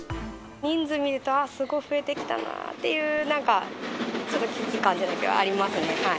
人数見ると、あっ、すごい増えてきたなっていう、なんかちょっと危機感じゃないけど、ありますね。